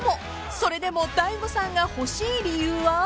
［それでも大悟さんが欲しい理由は？］